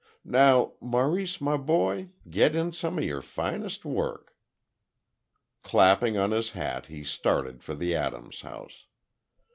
Now, Maurice, my boy, get in some of your finest work." Clapping on his hat, he started for the Adams house.